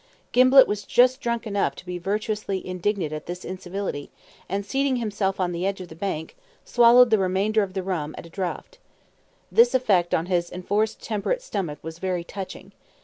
Gimblett was just drunk enough to be virtuously indignant at this incivility, and seating himself on the edge of the bank, swallowed the remainder of the rum at a draught. The effect upon his enforcedly temperate stomach was very touching.